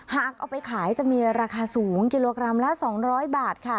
หากเอาไปขายจะมีราคาสูงกิโลกรัมละ๒๐๐บาทค่ะ